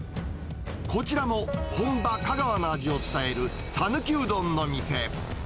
こちらも、本場、香川の味を伝える讃岐うどんの店。